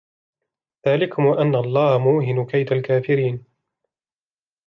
ذَلِكُمْ وَأَنَّ اللَّهَ مُوهِنُ كَيْدِ الْكَافِرِينَ